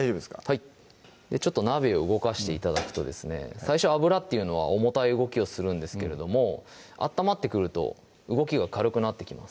はいちょっと鍋を動かして頂くとですね最初油っていうのは重たい動きをするんですけれども温まってくると動きが軽くなってきます